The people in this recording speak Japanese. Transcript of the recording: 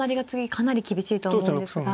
かなり厳しいと思うんですが。